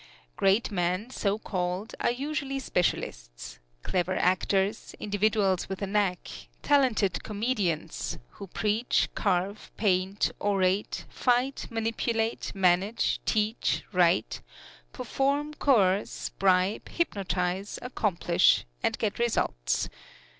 Great men, so called, are usually specialists: clever actors, individuals with a knack, talented comedians who preach, carve, paint, orate, fight, manipulate, manage, teach, write, perform, coerce, bribe, hypnotize, accomplish, and get results.